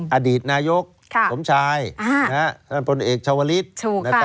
มีอดีตนะยกสมชายท่านบนเอกชาวบริสต์